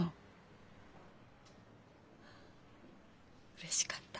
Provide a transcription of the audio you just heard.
うれしかった。